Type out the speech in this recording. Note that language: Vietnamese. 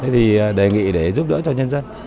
thì đề nghị để giúp đỡ cho nhân dân